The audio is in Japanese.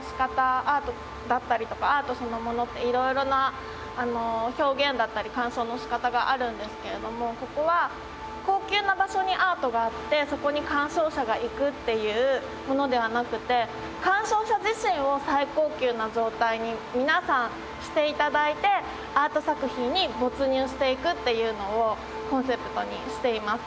アートだったりとかアートそのものって色々な表現だったり鑑賞の仕方があるんですけれどもここは高級な場所にアートがあってそこに鑑賞者が行くっていうものではなくて鑑賞者自身を最高級な状態に皆さんして頂いてアート作品に没入していくっていうのをコンセプトにしています。